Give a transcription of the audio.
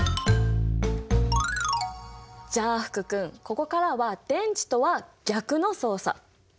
じゃあ福君ここからは電池とは逆の操作。